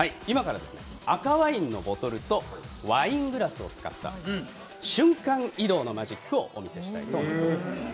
赤ワインのボトルとワイングラスを使った瞬間移動のマジックをお見せしたいと思います。